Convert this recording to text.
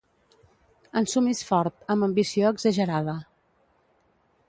Ensumis fort, amb ambició exagerada.